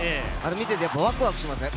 見ててワクワクしますね。